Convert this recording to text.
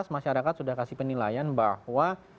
masyarakat sudah kasih penilaian bahwa